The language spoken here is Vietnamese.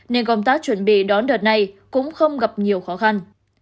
nên công tác chuẩn bị đón đợt này cũng không gặp nhiều khó khăn